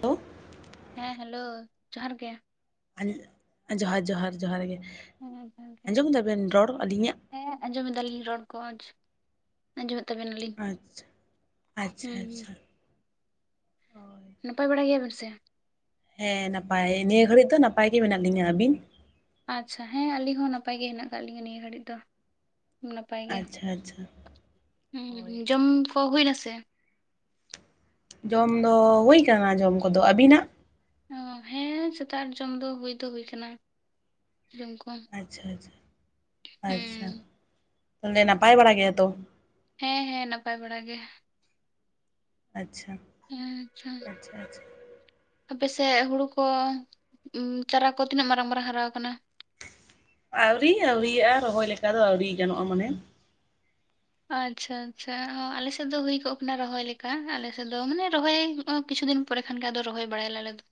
Hello [unintelligible] ᱦᱮᱸ hello ᱡᱚᱦᱟᱨ ᱜᱮ ᱟᱹᱧ ᱡᱚᱦᱟᱨ ᱡᱚᱦᱟᱨ ᱡᱚᱦᱟᱨ ᱜᱮ, ᱦᱮᱸ ᱡᱚᱦᱟᱨ ᱜᱮ ᱟᱸᱡᱚᱢ ᱫᱟᱵᱮᱱ ᱨᱚᱲ ᱟᱹᱞᱤᱧᱟᱜ? ᱦᱮᱸ, ᱟᱸᱡᱚᱢ ᱫᱟᱞᱤᱧ ᱨᱚᱲ ᱠᱚᱡ ᱟᱸᱡᱚᱢᱮᱜ ᱛᱟᱵᱮ ᱱᱟᱞᱤᱧ, ᱟᱪᱪᱷᱟ ᱟᱪᱪᱷᱟ ᱦᱩᱸ ᱦᱩᱸ ᱟᱪᱪᱷᱟ ᱾ ᱦᱳᱭ ᱱᱟᱯᱟᱭ ᱵᱟᱲᱟ ᱜᱮᱭᱟ ᱵᱮᱱ ᱥᱮ? ᱦᱮᱸ, ᱱᱟᱯᱟᱭ ᱱᱤᱭᱟᱹ ᱜᱷᱟᱹᱲᱤᱡ ᱫᱚ ᱱᱟᱯᱟᱭ ᱜᱮ ᱢᱮᱱᱟᱜ ᱞᱤᱧᱟᱹ ᱾ ᱟᱹᱵᱤᱱ? ᱟᱪᱪᱷᱟ ᱦᱮᱸ, ᱟᱞᱤᱧ ᱦᱚᱸ ᱱᱟᱯᱟᱭ ᱜᱮ ᱦᱮᱱᱟᱜ ᱠᱟᱜ ᱞᱤᱧᱟᱹ ᱱᱤᱭᱟᱹ ᱜᱷᱟᱹᱲᱤᱡ ᱫᱚ ᱾ ᱱᱟᱯᱟᱭ ᱜᱮ, ᱟᱪᱪᱷᱟ ᱟᱪᱪᱷᱟ ᱦᱳᱭ ᱡᱚᱢ ᱠᱚ ᱦᱩᱭᱱᱟ ᱥᱮ? ᱡᱚᱢ ᱫᱚ ᱦᱩᱭ ᱠᱟᱱᱟ ᱡᱚᱢ ᱠᱚᱫᱚ, ᱟᱹᱵᱤᱱᱟᱜ? ᱚ ᱦᱮᱸ ᱥᱮᱛᱟᱜ ᱡᱚᱢ ᱫᱚ ᱦᱩᱭ ᱫᱚ ᱦᱩᱭ ᱟᱠᱟᱱᱟ ᱡᱚᱢ ᱠᱚ ᱾ ᱟᱪᱪᱷᱟ ᱟᱪᱷᱟ ᱾ ᱟᱪᱪᱷᱟ, ᱛᱟᱞᱮ ᱱᱟᱯᱟᱭ ᱵᱟᱲᱟ ᱜᱮᱭᱟ ᱛᱚ? ᱦᱮᱸ ᱦᱮᱸ, ᱱᱟᱯᱟᱭ ᱵᱟᱲᱟ ᱜᱮ ᱾ ᱟᱪᱪᱷᱟ ᱾ ᱦᱮᱸ ᱟᱪᱪᱷᱟ ᱾ ᱟᱯᱮ ᱥᱮᱜ ᱦᱩᱲᱩ ᱠᱚ ᱩᱢ ᱪᱟᱨᱟ ᱠᱚ ᱛᱤᱱᱟᱹᱜ ᱢᱟᱨᱟᱝ ᱢᱟᱨᱟᱝ ᱦᱟᱨᱟ ᱟᱠᱟᱱᱟ? ᱟᱹᱣᱨᱤ ᱟᱹᱣᱨᱤᱭᱟᱜᱼᱟ ᱨᱚᱦᱚᱭ ᱞᱮᱠᱟ ᱫᱚ ᱟᱹᱣᱨᱤ ᱜᱟᱱᱚᱜᱼᱟ ᱢᱟᱱᱮ ᱾ ᱟᱪᱪᱷᱟ ᱟᱪᱪᱷᱟ ᱚ ᱟᱞᱮ ᱥᱮᱫ ᱫᱚ ᱦᱩᱭ ᱠᱚᱜ ᱠᱟᱱᱟ ᱨᱚᱦᱚᱭ ᱞᱮᱠᱟ ᱟᱞᱮ ᱥᱮᱫ ᱫᱚ ᱢᱟᱱᱮ ᱨᱚᱦᱚᱭ ᱚ ᱠᱤᱪᱷᱩ ᱫᱤᱱ ᱯᱚᱨᱮ ᱠᱷᱟᱱ ᱜᱮ ᱟᱫᱚ ᱨᱚᱦᱚᱭ ᱵᱟᱲᱟᱭᱟ ᱞᱮ ᱟᱞᱮ ᱫᱚ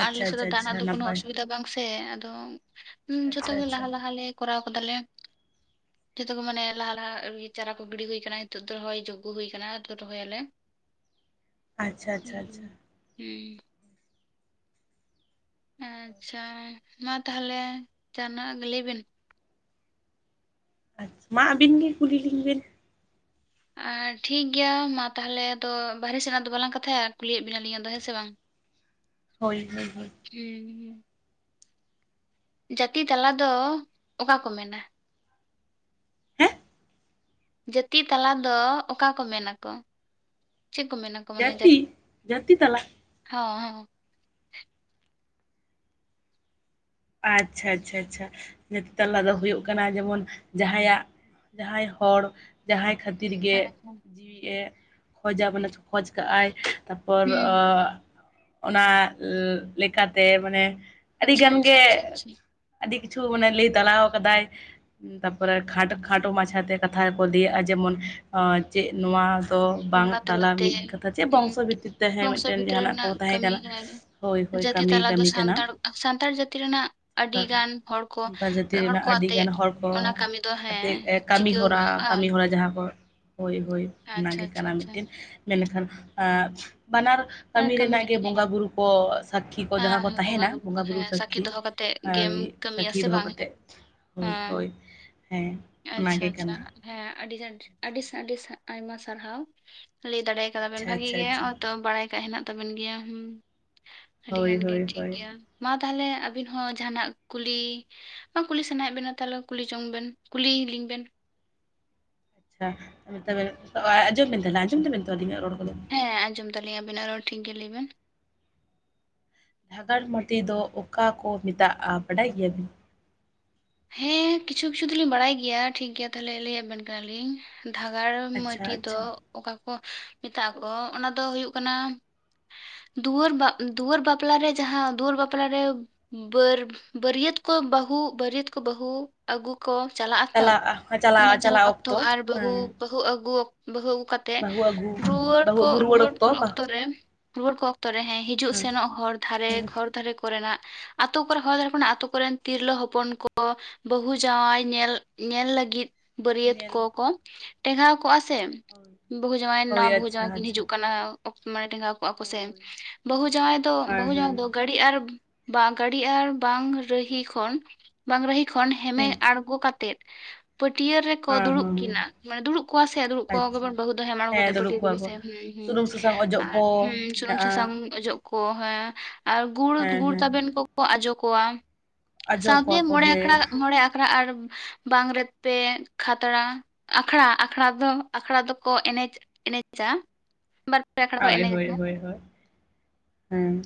ᱟᱪᱪᱷᱟ ᱫᱚ ᱟᱪᱪᱷᱟ ᱫᱟᱜ ᱟᱪᱪᱷᱟ ᱨᱮᱱᱟᱜ ᱫᱚ ᱠᱳᱚᱱᱳ ᱱᱟᱯᱟᱭ ᱚᱥᱩᱵᱤᱫᱟ ᱵᱟᱝ ᱥᱮ ᱟᱫᱚ ᱡᱷᱚᱛᱚ ᱟᱪᱪᱷᱟ ᱜᱮ ᱟᱪᱪᱷᱟ ᱞᱟᱦᱟᱼᱞᱟᱦᱟᱞᱮ ᱠᱚᱨᱟᱣ ᱠᱟᱫᱟ ᱞᱮ ᱡᱷᱚᱛᱚ ᱜᱮ ᱢᱟᱱᱮ ᱞᱟᱦ [unintelligible] ᱪᱟᱨᱟ ᱠᱚ ᱜᱤᱰᱤ ᱦᱩᱭ ᱠᱟᱱᱟ ᱱᱤᱛᱚᱜ ᱫᱚ ᱨᱚᱦᱚᱭ ᱡᱳᱚᱜᱽᱜᱚ ᱦᱩᱭ ᱠᱟᱱᱟ ᱛᱚ ᱨᱚᱦᱚᱭ ᱟᱞᱮ ᱾ ᱟᱪᱪᱷᱟ ᱟᱪᱪᱷᱟ ᱟᱪᱪᱷᱟ ᱦᱩᱸᱼᱦᱩᱸ ᱦᱩᱸ ᱾ ᱟᱪᱪᱷᱟ᱾ ᱢᱟ ᱛᱟᱦᱚᱞᱮ ᱡᱟᱦᱟᱱᱟᱜ ᱞᱟᱹᱭ ᱵᱮᱱ ᱟᱪᱪᱷᱟ ᱢᱟ ᱟᱹᱵᱤᱱ ᱜᱮ ᱠᱩᱞᱤ ᱞᱤᱧ ᱵᱤᱱ᱾ ᱴᱷᱤᱠ ᱜᱮᱭᱟ ᱢᱟ ᱛᱟᱦᱚᱞᱮ ᱟᱫᱚ ᱵᱟᱦᱨᱮ ᱥᱮᱱᱟᱜ ᱫᱚ ᱵᱟᱞᱟᱝ ᱠᱟᱛᱷᱟᱭᱟ ᱠᱩᱞᱤᱭᱮᱫ ᱵᱮᱱᱟ ᱞᱤᱹᱧ ᱟᱫᱚ ᱦᱮᱸ ᱥᱮ ᱵᱟᱝ [inaudible] ᱦᱳᱭ ᱦᱳᱭ ᱦᱳᱭ ᱾ [inaudible] ᱡᱟᱹᱛᱤ ᱛᱟᱞᱟ ᱫᱚ ᱚᱠᱟ ᱠᱚ ᱢᱮᱱᱟ? ᱦᱮᱸ ᱡᱟᱹᱛᱤ ᱛᱟᱞᱟ ᱫᱚ ᱚᱠᱟ ᱠᱚ ᱢᱮᱱ ᱟᱠᱚ? ᱪᱤᱜ ᱠᱚ ᱢᱮᱱᱟ? ᱡᱟᱹᱛᱤ, ᱡᱟᱹᱛᱤ ᱛᱟᱞᱟ ᱦᱚ ᱦᱮ ᱾ ᱟᱪᱪᱷᱟ ᱟᱹᱪᱪᱷᱟ ᱪᱷᱟ ᱡᱟᱹᱛᱤ ᱛᱟᱞᱟ ᱫᱚ ᱦᱩᱭᱩᱜ ᱠᱟᱱᱟ ᱡᱮᱢᱚᱱ ᱡᱟᱦᱟᱸᱭᱼᱟᱜ ᱡᱟᱦᱟᱸᱭ ᱦᱚᱲ ᱡᱟᱦᱟᱸᱭ ᱠᱷᱟᱹᱛᱤᱨ ᱜᱮ ᱦᱮᱸ ᱦᱮᱸ ᱡᱤᱣᱤ ᱮ ᱠᱷᱚᱡᱟ ᱵᱚᱱᱟ ᱠᱷᱚᱡ ᱠᱟᱜᱼᱟᱭ᱾ ᱛᱟᱯᱚᱨ ᱦᱩᱸ ᱚᱱᱟ ᱞᱮᱠᱟᱛᱮ ᱢᱟᱱᱮ ᱟᱪᱪᱷᱟ ᱟᱹᱰᱤᱜᱟᱱ ᱟᱪᱷᱟ ᱜᱮ ᱟᱪᱪᱷᱟ ᱟᱪᱪᱷᱟ ᱟᱹᱰᱤ ᱠᱤᱪᱷᱩ ᱢᱟᱱᱮ ᱞᱟᱹᱭ ᱛᱟᱞᱟᱣ ᱠᱟᱫᱟᱭ ᱛᱟᱯᱚᱨᱮ ᱠᱷᱟᱴ ᱠᱷᱟᱴᱚ ᱢᱟᱪᱷᱟ ᱛᱮ ᱠᱟᱛᱷᱟ ᱠᱚ ᱞᱟᱹᱭᱟᱜᱼᱟ, ᱡᱮᱢᱚᱱ ᱪᱮᱫ ᱱᱚᱣᱟ ᱛᱚ ᱵᱟᱝ ᱵᱚᱸᱜᱟ ᱛᱟᱞᱟ ᱛᱟᱞᱟᱛᱮ ᱢᱤᱫ ᱠᱟᱛᱷᱟ ᱪᱮ ᱵᱚᱝᱥᱚ ᱦᱩᱸ ᱵᱷᱤᱛᱤᱨ ᱛᱮ ᱦᱮᱸ ᱵᱚᱝᱥᱚ ᱢᱤᱫᱴᱮᱱ ᱵᱷᱤᱛᱨᱤ ᱡᱟᱦᱟᱱᱟᱜ ᱠᱚ ᱨᱮᱱᱟᱜ ᱛᱟᱦᱮᱸ ᱠᱟᱹᱢᱤ ᱠᱟᱱᱟ᱾ ᱦᱮᱸ ᱦᱳᱭ ᱦᱳᱭ᱾ ᱡᱟᱹᱛᱤ ᱠᱟᱹᱢᱤ, ᱛᱟᱞᱟ ᱫᱚ ᱠᱟᱹᱢᱤ ᱠᱟᱱᱟ᱾ ᱥᱟᱱᱛᱟᱲ ᱥᱟᱱᱛᱟᱲ ᱡᱟᱹᱛᱤ ᱨᱮᱱᱟᱜ ᱟᱹᱰᱤ ᱥᱟᱱᱛᱟᱲ ᱜᱟᱱ ᱦᱚᱲ ᱠᱚ, ᱥᱟᱱᱛᱟᱲ ᱡᱟᱹᱛᱤ ᱦᱚᱲ ᱨᱮᱱᱟᱜ ᱠᱚ ᱟᱛᱮ ᱟᱹᱰᱤᱜᱟᱱ ᱦᱚᱲ ᱠᱚ ᱚᱱᱟ ᱠᱟᱹᱢᱤ ᱫᱚ ᱦᱮᱸ ᱠᱟᱛᱮᱫ ᱠᱟᱹᱢᱤ ᱪᱤᱠᱟᱹ ᱦᱚᱨᱟ ᱦᱩᱭᱩᱜᱼᱟ ᱠᱟᱹᱢᱤ ᱦᱚᱨᱟ ᱡᱟᱦᱟᱸ ᱠᱚ ᱦᱳᱭ ᱦᱳᱭ ᱚᱱᱟ ᱟᱪᱪᱷᱟ ᱜᱮ ᱟᱪᱪᱷᱟ ᱠᱟᱱᱟ ᱟᱪᱪᱷᱟ ᱢᱤᱫᱴᱮᱱ᱾ ᱢᱮᱱᱠᱷᱟᱱ ᱵᱟᱱᱟᱨ ᱚᱱᱟ ᱠᱟᱹᱢᱤ ᱨᱮᱱᱟᱜ ᱜᱮ ᱦᱮᱸ ᱵᱚᱸᱜᱟ ᱵᱩᱨᱩ ᱠᱚ ᱥᱟᱹᱠᱷᱤ ᱠᱚ ᱡᱟᱦᱟᱸ ᱠᱚ ᱦᱮᱸ ᱛᱟᱦᱮᱱᱟ᱾ ᱠᱚ ᱵᱚᱸᱜᱟ ᱵᱩᱨᱩ ᱦᱮᱸ ᱥᱟ ᱥᱟᱹᱠᱷᱤ ᱫᱚᱦᱚ ᱠᱟᱛᱮᱜ ᱜᱮᱢ ᱠᱟᱹᱢᱤᱭᱟ ᱥᱟᱹᱠᱷᱤ ᱥᱮ ᱫᱚᱦᱚ ᱵᱟᱝ ᱦᱮᱸ ᱠᱟᱛᱮᱫ ᱦᱳᱭ ᱦᱳᱭ ᱦᱮᱸ, ᱟᱪᱪᱷᱟ ᱚᱱᱟᱜᱮ ᱟᱪᱪᱷᱟ ᱠᱟᱱᱟ᱾ ᱦᱮᱸ ᱟᱹᱰᱤ ᱟᱹᱰᱤ ᱟᱹᱰᱤ ᱟᱭᱢᱟ ᱥᱟᱨᱦᱟᱣ᱾ ᱞᱟᱹᱭ ᱫᱟᱲᱮᱭᱟᱜ ᱠᱟᱫᱟ ᱟᱪᱪᱷᱟ ᱵᱮᱱ᱾ᱵᱷᱟᱹᱜᱤ ᱟᱪᱪᱷᱟ ᱜᱮ ᱟᱪᱪᱷᱟ ᱦᱚ-ᱚᱭ ᱛᱚ ᱵᱟᱲᱟᱭ ᱠᱟᱜ ᱦᱮᱱᱟᱜ ᱛᱟᱵᱮᱱ ᱜᱮᱭᱟ᱾ ᱦᱩᱸ ᱟᱹᱰᱤ ᱦᱳᱭ ᱜᱟᱱ ᱜᱮ ᱦᱳᱭ ᱴᱷᱤᱠ ᱦᱳᱭ ᱜᱮᱭᱟ᱾ ᱢᱟ ᱛᱟᱦᱚᱞᱮ ᱟᱵᱤᱱ ᱦᱚᱸ ᱡᱟᱦᱟᱱᱟᱜ ᱠᱩᱞᱤ ᱠᱩᱞᱤ ᱥᱟᱱᱟᱭᱮᱫ ᱵᱮᱱᱟ ᱛᱟᱦᱚᱞᱮ ᱠᱩᱞᱤ ᱡᱚᱝ ᱵᱮᱱ ᱠᱩᱞᱤ ᱞᱤᱧ ᱵᱮᱱ ᱟᱪᱪᱷᱟ ᱛᱚᱵᱮ ᱟᱸᱡᱚᱢ ᱵᱮᱱ ᱛᱟᱦᱚᱞᱮ, ᱟᱸᱡᱚᱢ ᱛᱟᱵᱮᱱ ᱛᱚ ᱟᱹᱞᱤᱧᱟᱜ ᱨᱚᱲ ᱠᱚᱫᱚ ᱦᱮᱸ ᱟᱸᱡᱚᱢ ᱫᱟᱹᱞᱤᱧ ᱟᱵᱮᱱᱟᱜ ᱨᱚᱲ᱾ ᱴᱷᱤᱠ ᱜᱮ ᱞᱟᱹᱭ ᱵᱮᱱ ᱫᱷᱟᱜᱟᱲ ᱢᱟᱴᱤ ᱫᱚ ᱚᱠᱟ ᱠᱚ ᱢᱮᱛᱟᱜᱼᱟ? ᱵᱟᱰᱟᱭ ᱜᱮᱭᱟ ᱦᱮᱸ ᱠᱤᱪᱷᱩ ᱠᱤᱪᱷᱩ ᱫᱚᱞᱤᱧ ᱵᱟᱲᱟᱭ ᱜᱮᱭᱟ, ᱴᱷᱤᱠ ᱜᱮᱭᱟ ᱛᱟᱦᱚᱞᱮ ᱞᱟᱹᱭ ᱟᱵᱮᱱ ᱠᱟᱱᱟ ᱞᱤᱧ ᱫᱷᱟᱜᱟᱲ ᱢᱟᱹᱴᱤ ᱟᱪᱪᱷᱟ ᱫᱚ ᱟᱪᱪᱷᱟ ᱚᱠᱟ ᱠᱚ ᱢᱮᱛᱟᱜ ᱠᱚ? ᱚᱱᱟ ᱫᱚ ᱦᱩᱭᱩᱜ ᱠᱟᱱᱟ ᱫᱩᱣᱟᱹᱨ, ᱫᱩᱣᱟᱹᱨ ᱵᱟᱯᱞᱟ ᱨᱮ ᱡᱟᱦᱟᱸ ᱫᱩᱣᱟᱹᱨ ᱵᱟᱯᱞᱟ ᱨᱮ ᱵᱟᱹᱨ ᱵᱟᱹᱨᱭᱟᱹᱛ ᱠᱚ ᱵᱟᱹᱦᱩ, ᱵᱟᱹᱨᱭᱟᱹᱛ ᱠᱚ ᱵᱟᱹᱦᱩ ᱟᱹᱜᱩ ᱠᱚ ᱪᱟᱞᱟᱜ-ᱟ ᱛᱚ, ᱪᱟᱞᱟᱜᱼᱟ ᱚᱱᱮ ᱪᱟᱞᱟᱜ ᱡᱟᱞ ᱪᱟᱞᱟᱜ ᱚᱠᱛᱚ ᱟᱨ ᱵᱟᱹᱦᱩ ᱦᱮᱸ ᱵᱟᱹᱦᱩ ᱟᱹᱜᱩ ᱵᱟᱹᱦᱩ ᱟᱹᱜᱩ ᱠᱟᱛᱮ ᱛᱮ ᱵᱟᱹᱦᱩ ᱟᱹᱜᱩ ᱨᱩᱣᱟᱹᱲ ᱵᱟᱹᱦᱩ ᱠᱚ ᱟᱹᱜᱩ ᱨᱩᱣᱟᱹᱲ ᱵᱟ ᱚᱠᱛᱚ ᱨᱮ ᱨᱩᱣᱟᱹᱲ ᱠᱚ ᱚᱠᱛᱚ ᱨᱮ ᱦᱮᱸ ᱦᱤᱡᱩᱜ ᱥᱮᱱᱚᱜ ᱦᱚᱨ ᱫᱷᱟᱨᱮ ᱦᱮᱸ ᱦᱚᱨ ᱫᱷᱟᱨᱮ ᱠᱚᱨᱮ ᱱᱟᱜ ᱟᱛᱳ ᱠᱚᱨᱮ ᱦᱚᱲ ᱠᱚᱨᱮᱱ ᱛᱤᱨᱞᱟᱹ ᱦᱚᱯᱚᱱ ᱠᱚ ᱠᱚ ᱵᱟᱹᱦᱩ ᱡᱟᱶᱟᱭ ᱧᱮᱞ ᱧᱮᱞ ᱞᱟᱹᱜᱤᱫ ᱵᱟᱹᱨᱭᱟᱹᱛ ᱧᱮᱞ ᱠᱚᱠᱚ ᱴᱮᱜᱟᱣ ᱠᱚᱜᱼᱟ ᱥᱮ ᱦᱳᱭ ᱵᱟᱹᱦᱩ ᱡᱟᱶᱟᱭ ᱦᱳᱭ ᱱᱟᱶᱟ ᱵᱟᱹᱦᱩ ᱡᱟᱶᱟᱭ ᱟᱪᱪᱷᱟ ᱠᱤᱱ ᱟᱪᱪᱷᱟ ᱦᱤᱡᱩᱜ ᱠᱟᱱᱟ ᱢᱟᱱᱮ ᱴᱮᱸᱜᱟᱣ ᱠᱚᱣᱟᱜ ᱥᱮ, ᱦᱳᱭ ᱵᱟᱹᱦᱩ ᱡᱟᱶᱟᱭ ᱫᱚ ᱦᱮᱸ ᱵᱟᱹᱦᱩ ᱦᱮᱸ ᱡᱟᱶᱟᱭ ᱫᱚ ᱜᱟᱹ ᱜᱟᱹᱰᱤ ᱟᱨ ᱜᱟᱹᱰᱤ ᱟᱨ ᱵᱟᱝ ᱨᱟᱹᱦᱤ ᱠᱷᱚᱱ ᱵᱟᱝ ᱨᱟᱦᱤ ᱠᱷᱚᱱ ᱦᱮᱢᱮ ᱦᱮᱸ ᱟᱬᱜᱚ ᱠᱟᱛᱮᱜ ᱯᱟᱹᱴᱭᱟᱹ ᱨᱮᱠᱚ ᱦᱮᱸ ᱫᱩᱲᱩᱵ ᱦᱮᱸ ᱠᱤᱱ ᱟ ᱫᱩᱲᱩᱵ ᱠᱚᱣᱟ ᱥᱮ ᱫᱩᱲᱩᱵ ᱟᱪᱪᱷᱟ ᱠᱚᱶᱟ ᱵᱟᱦᱩ ᱫᱚ ᱦᱮᱢ ᱟᱬᱜᱚ ᱦᱮᱸ ᱠᱟᱛᱮᱜ ᱫᱩᱲᱩᱵ ᱯᱟᱹᱴᱤᱭᱟᱹ ᱠᱚᱣᱟ ᱠᱚ ᱦᱩᱸ ᱦᱩᱸ ᱥᱩᱱᱩᱢ ᱥᱟᱥᱟᱝ ᱚᱡᱚᱜ ᱟᱨ ᱠᱚ ᱦᱩᱸ ᱥᱩᱱᱩᱢ ᱢᱮᱱᱟᱜᱼᱟ ᱥᱟᱥᱟᱝ ᱚᱡᱚᱜ ᱠᱚ ᱦᱮᱸ ᱟᱨ ᱜᱩᱲ, ᱦᱮᱸ ᱜᱩᱲ ᱦᱮᱸ ᱛᱟᱵᱮᱱ ᱠᱚᱠᱚ ᱟᱡᱚ ᱠᱚᱣᱟ᱾ ᱟᱡᱽ ᱥᱟᱶᱛᱮ ᱠᱚᱣᱟ ᱠᱚ ᱢᱚᱬᱮ ᱟᱠᱷᱚᱲᱟ, ᱦᱮᱸ ᱢᱚᱬᱮ ᱟᱠᱷᱚᱲᱟ ᱟᱨ ᱵᱟᱝ ᱨᱮ ᱯᱮ ᱠᱷᱟᱛᱲᱟ ᱟᱠᱷᱲᱟ ᱟᱠᱷᱲᱟ ᱫᱚ ᱟᱠᱷᱲᱟ ᱫᱚᱠᱚ ᱮᱱᱮᱡ ᱮᱱᱮᱡ ᱟ ᱦᱳᱭ ᱦᱳᱭ ᱦᱳᱭ ᱦᱳᱭ ᱦᱮᱸ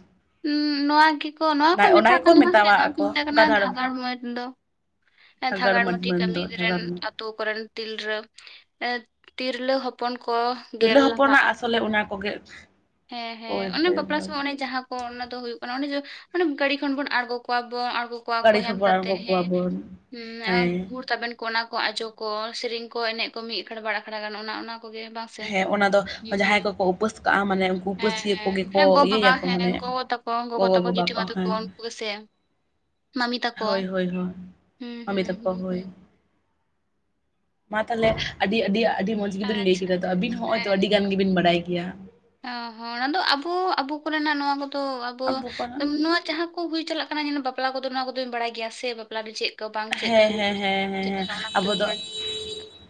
ᱱᱚᱶᱟ ᱜᱮᱠᱚ ᱱᱚᱣᱟ ᱚᱱᱟ ᱠᱚ ᱚᱱᱟ ᱢᱮᱛᱟᱜ ᱜᱮᱠᱚ ᱠᱟᱱᱟ ᱱᱚᱣᱟ ᱠᱚ ᱢᱮᱛᱟᱣᱟᱜ ᱢᱮᱛᱟᱜ ᱠᱟᱱᱟ ᱜᱟᱫᱟᱲ ᱫᱷᱟᱜᱟᱲ ᱢᱟᱲ ᱫᱚ ᱜᱟᱫᱟᱲ ᱫᱷᱟᱜᱟᱲ ᱢᱟᱴᱤ ᱢᱟᱹᱱ ᱠᱟᱹᱢᱤ ᱫᱚ ᱨᱮᱱ ᱛᱷᱟᱜᱟᱲ ᱢᱟᱹᱱ ᱟᱹᱛᱩ ᱠᱚᱨᱮᱱ ᱛᱤᱨᱞᱟᱹ, ᱮ ᱛᱤᱨᱞᱟᱹ ᱦᱚᱯᱚᱱ ᱠᱚ᱾ ᱛᱤᱨᱞᱟᱹ ᱜᱮᱞ ᱦᱚᱯᱚᱱᱟᱜ ᱞᱟᱦᱟᱜᱼᱟ ᱟᱥᱚᱞᱮ ᱚᱱᱟ ᱠᱚᱜᱮ ᱦᱮᱸ ᱦᱮᱸ ᱦᱳᱭ ᱚᱱᱮ ᱦᱳᱭ ᱵᱟᱯᱞᱟ ᱦᱳᱭ ᱥᱚᱢᱚᱭ ᱚᱱᱮ ᱡᱟᱦᱟᱸ ᱚᱱᱟ ᱫᱚ ᱦᱩᱭᱩᱜ ᱠᱟᱱᱟ ᱚᱱᱮ ᱡᱮ, ᱢᱟᱱᱮ ᱜᱟᱹᱰᱤ ᱠᱷᱚᱱ ᱵᱚᱱ ᱟᱬᱜᱚ ᱠᱚᱣᱟᱵᱚᱱ ᱟᱬᱜᱚ ᱠᱚᱣᱟ ᱠᱚ ᱜᱟᱹᱲᱤ ᱦᱮᱢ ᱥᱚᱨᱵᱚᱨᱟᱦᱚ ᱠᱟᱛᱮᱜ ᱠᱟᱠᱚᱣᱟ ᱦᱮᱸ ᱵᱚᱱ ᱩᱢ ᱦᱮᱸ ᱜᱩᱲ ᱛᱟᱵᱮᱱ ᱠᱚᱱᱟ ᱠᱚ ᱟᱡᱚ ᱠᱚ ᱥᱮᱨᱮᱧ ᱠᱚ ᱮᱱᱮᱡ ᱠᱚ ᱢᱤᱫ ᱟᱠᱷᱟᱲ ᱵᱟᱲ ᱟᱠᱷᱲᱟ ᱜᱟᱱ ᱚᱱᱟ ᱚᱱᱟ ᱠᱚᱜᱮ ᱵᱟ ᱦᱮᱸ ᱚᱱᱟ ᱫᱚ ᱡᱟᱦᱟᱸᱭ ᱠᱚᱠᱚ ᱩᱯᱟᱹᱥ ᱠᱟᱜᱼᱟ ᱢᱟᱱᱮ ᱩᱱᱠᱩ ᱦᱮᱸ ᱩᱯᱟᱹᱥᱭᱟᱹ ᱦᱮᱸ ᱠᱚᱜᱮ ᱠᱚ ᱦᱮᱸ ᱜᱚ ᱵᱟᱵᱟ ᱤᱭᱟᱹᱭᱟᱠᱚ ᱢᱟᱱᱮ ᱦᱮᱸ ᱜᱚᱜᱚ ᱛᱟᱠᱚ ᱜᱚᱜᱚ ᱛᱟᱠᱚ ᱵᱟᱵᱟ ᱠᱚ ᱡᱮᱴᱷᱤᱢᱟ ᱛᱟᱠᱚ ᱦᱮᱸ ᱩᱱᱠᱩ ᱜᱮᱥᱮ ᱢᱟᱢᱤ ᱛᱟᱠᱚ ᱦᱳᱭ ᱦᱳᱭ ᱦᱳᱭ ᱦᱩᱸ ᱢᱟᱢᱤ ᱦᱩᱸ ᱛᱟᱠᱚ ᱦᱩᱸ ᱦᱳᱭ ᱦᱩᱸ ᱢᱟ ᱛᱟᱦᱞᱮ ᱟᱹᱰᱤ ᱟᱹᱰᱤ ᱟᱹᱰᱤ ᱢᱚᱸᱡᱽ ᱜᱮᱵᱤᱱ ᱞᱟᱹᱭ ᱟᱪᱪᱷᱟ ᱠᱮᱫᱟ ᱟᱵᱤᱱ ᱦᱚᱸ ᱱᱚᱜᱚᱭ ᱛᱚ ᱦᱮᱸ ᱟᱹᱰᱤ ᱜᱟᱱ ᱜᱮᱵᱤᱱ ᱵᱟᱰᱟᱭ ᱜᱮᱭᱟ ᱚ ᱦᱚᱸ ᱚᱱᱟ ᱫᱚ ᱟᱵᱚ ᱟᱵᱚ ᱠᱚᱨᱮᱱᱟᱜ ᱱᱚᱣᱟ ᱠᱚᱫᱚ ᱟᱵᱚ ᱱᱚᱣᱟ ᱡᱟᱦᱟᱸ ᱠᱚ ᱦᱩᱭ ᱪᱟᱞᱟᱜ ᱠᱟᱱᱟ ᱡᱮ ᱵᱟᱯᱞᱟ ᱠᱚᱫᱚ ᱱᱚᱣᱟ ᱠᱚᱫᱚᱧ ᱵᱟᱲᱟᱭ ᱜᱮᱭᱟ ᱥᱮ ᱵᱟᱯᱞᱟ ᱫᱚ ᱪᱮᱫ ᱠᱚ ᱵᱟᱝ ᱪᱮᱫ ᱪᱮᱠᱟ ᱦᱮᱸ ᱦᱩᱭᱩᱜ ᱦᱮᱸ ᱦᱮᱸ ᱦᱮᱸ ᱪᱮᱠᱟ ᱦᱮᱸ ᱚᱱᱟ ᱠᱚᱛ ᱟᱵᱚ ᱮᱵᱤᱱ ᱫᱚ ᱵᱟᱰ ᱼᱼ